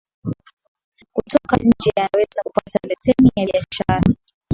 kutoka nje yanaweza kupata leseni ya biashara